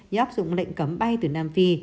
như áp dụng lệnh cấm bay từ nam phi